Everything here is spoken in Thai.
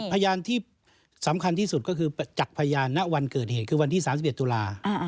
พยานที่สำคัญที่สุดก็คือจากพยานณวันเกิดเหตุคือวันที่๓๑ตุลา